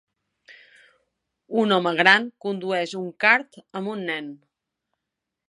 Un home gran condueix un kart amb un nen.